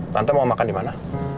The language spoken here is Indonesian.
tante mau makan di mana